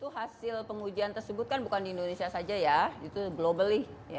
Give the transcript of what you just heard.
hasil pengujian tersebut bukan di indonesia saja itu global